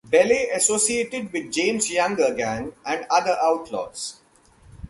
Belle associated with the James-Younger Gang and other outlaws.